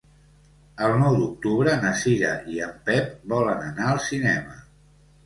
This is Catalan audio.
El nou d'octubre na Cira i en Pep volen anar al cinema.